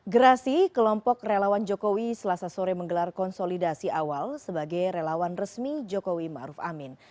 gerasi kelompok relawan jokowi selasa sore menggelar konsolidasi awal sebagai relawan resmi jokowi maruf amin